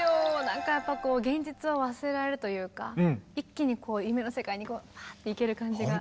なんかやっぱ現実を忘れられるというか一気に夢の世界にファーっていける感じが。